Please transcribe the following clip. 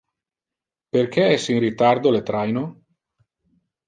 Perque es in retardo le traino?